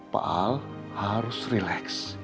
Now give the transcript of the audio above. pak al harus relax